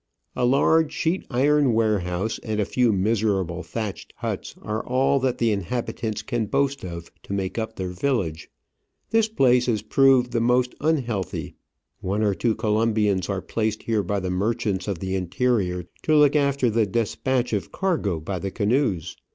A large sheet iron warehouse and a few miserable thatched huts are all that the inhabitants can boast of to make up their village. This place is proved the most unhealthy. One or two Colombians are placed here by the merchants of the interior to look after the despatch of cargo by the canoes.